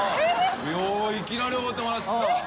いいきなりおごってもらった。